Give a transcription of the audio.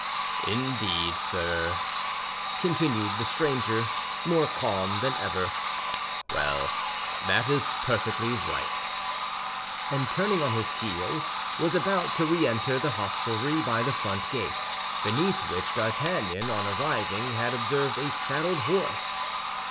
"Indeed, sir," continued the stranger, more calm than ever; "well, that is perfectly right!" and turning on his heel, was about to re enter the hostelry by the front gate, beneath which D'Artagnan on arriving had observed a saddled horse.